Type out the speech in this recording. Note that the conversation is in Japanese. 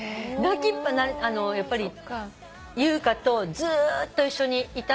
やっぱり優香とずーっと一緒にいたので。